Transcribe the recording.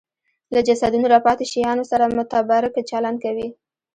له جسدونو راپاتې شیانو سره متبرک چلند کوي